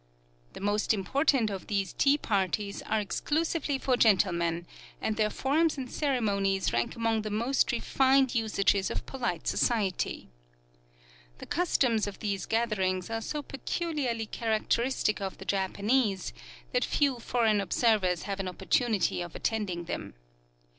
The most important of these tea parties are exclusively for gentlemen, and their forms and ceremonies rank among the most refined usages of polite society. The customs of these gatherings are so peculiarly characteristic of the Japanese that few foreign observers have an opportunity of attending them.